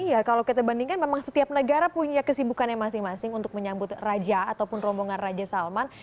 iya kalau kita bandingkan memang setiap negara punya kesibukannya masing masing untuk menyambut raja ataupun rombongan raja salman